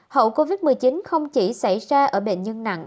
hậu covid một mươi chín không chỉ xảy ra ở bệnh nhân nặng